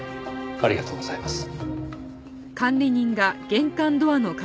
ありがとうございます。